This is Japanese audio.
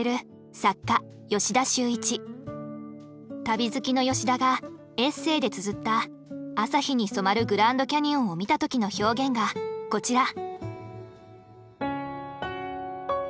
旅好きの吉田がエッセイでつづった朝日に染まるグランドキャニオンを見た時の表現がこちら。